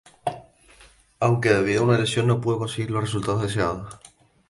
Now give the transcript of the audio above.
Aunque debido a una lesión no pudo conseguir los resultados deseados.